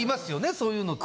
そういうのって。